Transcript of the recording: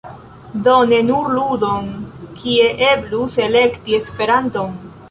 Do ne nur ludon, kie eblus “elekti" Esperanton.